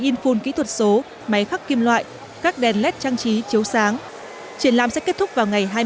in full kỹ thuật số máy khắc kim loại các đèn led trang trí chiếu sáng triển lãm sẽ kết thúc vào ngày hai mươi hai tháng ba